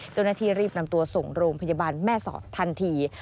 เจ้าหน้าที่รีบนำตัวส่งโรงพยาบาลแม่สอดทันที